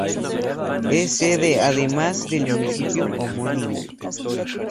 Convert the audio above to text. Es sede además, del municipio homónimo.